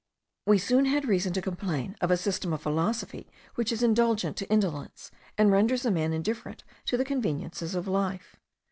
We soon had reason to complain of a system of philosophy which is indulgent to indolence, and renders a man indifferent to the conveniences of life.